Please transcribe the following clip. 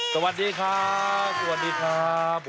สวัสดีครับสวัสดีครับ